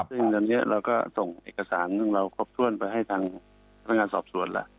ซึ่งอันนี้เราก็ส่งเอกสารซึ่งเราครบถ้วนไปให้ทางพนักงานสอบสวนล่ะ